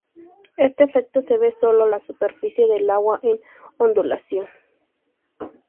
Este efecto se ve sólo sobre la superficie del agua en ondulación.